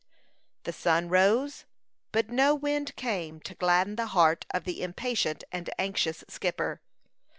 The sun rose, but no wind came to gladden the heart of the impatient and anxious skipper.